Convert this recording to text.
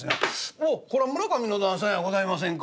「おうこら村上の旦さんやございませんか」。